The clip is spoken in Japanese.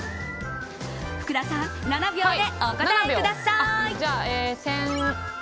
福田さん、７秒でお答えください。